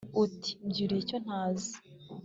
uti: “mbyiruye icyontazi”